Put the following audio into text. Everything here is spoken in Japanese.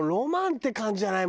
って感じはない。